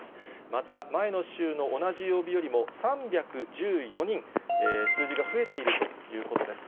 また前の週の同じ曜日よりも３１４人、数字が増えているということです。